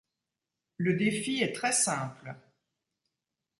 Le défi est très simple.